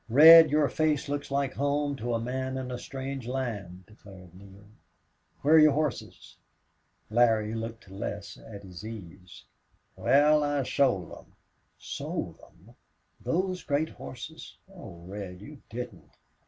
"Red, your face looks like home to a man in a strange land," declared Neale. "Where are your horses?" Larry looked less at his ease. "Wal, I sold them." "Sold them! Those great horses? Oh, Red, you didn't!"